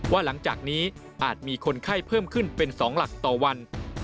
ว่าหลังจากนี้อาจมีคนไข้เพิ่มขึ้นเป็น๒หลักต่อวัน